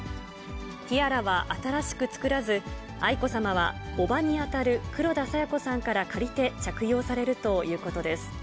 ティアラは新しく作らず、愛子さまは、叔母に当たる黒田清子さんから借りて、着用されるということです。